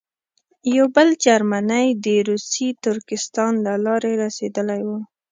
یو بل جرمنی د روسي ترکستان له لارې رسېدلی وو.